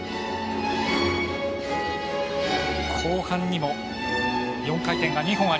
後半にも４回転が２本あります。